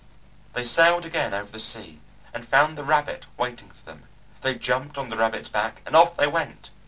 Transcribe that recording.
They sailed again over the sea and found the rabbit waiting for them. They jumped on the rabbit's back and off they went.